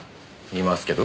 いますけど？